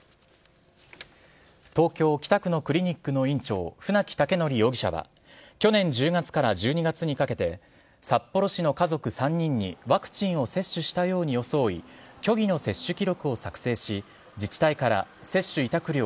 東京・北区のクリニックの院長、船木威徳容疑者は去年１０月から１２月にかけて、札幌市の家族３人に、ワクチンを接種したように装い、虚偽の接種記録を作成し、自治体から接種委託料